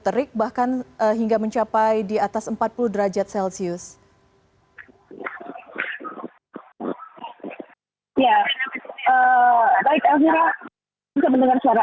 terik bahkan hingga mencapai di atas empat puluh derajat celcius ya baik elvira bisa mendengar suara